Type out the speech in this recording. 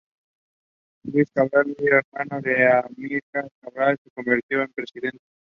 Luís Cabral, medio hermano de Amílcar Cabral se convirtió en presidente.